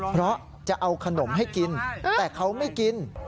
เพราะจะเอาขนมให้กินแต่เขาไม่กิน